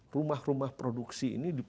rumah rumah produksi ini